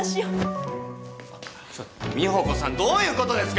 ちょっと美保子さんどういうことですか！？